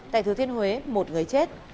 tại thứ thiên huế một người chết